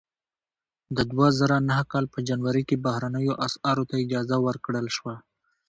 د دوه زره نهه کال په جنوري کې بهرنیو اسعارو ته اجازه ورکړل شوه.